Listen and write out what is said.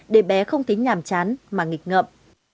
để bé không tính nhàm chán mà nghịch ngợm